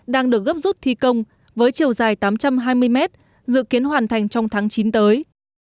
đang được gấp rút thi công với chiều dài tám trăm hai mươi mét dự kiến hoàn thành trong tháng chín tới